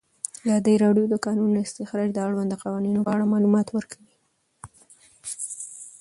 ازادي راډیو د د کانونو استخراج د اړونده قوانینو په اړه معلومات ورکړي.